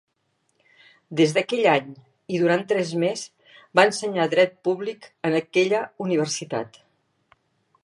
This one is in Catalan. Des d'aquell any, i durant tres més va ensenyar Dret Públic en aquella Universitat.